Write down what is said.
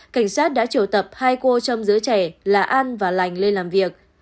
cảnh sát đã triều tập hai cô trong giữa trẻ là an và lành lên làm việc